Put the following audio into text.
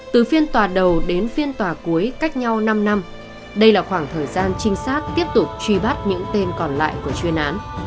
từ phiên tòa đầu đến phiên tòa cuối cách nhau năm năm đây là khoảng thời gian trinh sát tiếp tục truy bắt những tên còn lại của chuyên án